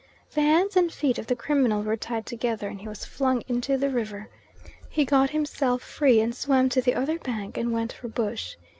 The hands and feet of the criminal were tied together, and he was flung into the river. He got himself free, and swam to the other bank, and went for bush.